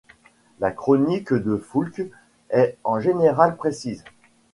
La chronique de Foulque est en général précise.